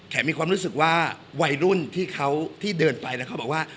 มีความรู้สึกว่าวัยรุ่นที่เขาที่เดินไปแล้วเขาบอกว่า